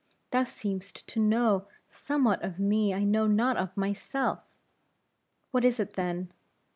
Thou seemest to know somewhat of me, that I know not of myself, what is it then?